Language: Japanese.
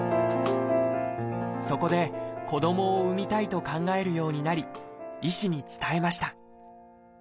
そこで子どもを産みたいと考えるようになり医師に伝えました。